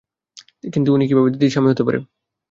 কিন্তু উনি কিভাবে দিদির স্বামী হতে পারে?